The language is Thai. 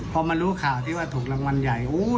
พอมารู้ข่าวที่ว่าถูกรางวัลใหญ่